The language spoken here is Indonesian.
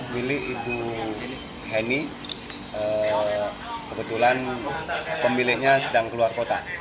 milik ibu heni kebetulan pemiliknya sedang keluar kota